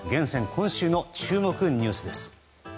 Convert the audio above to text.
今週の注目ニュースです。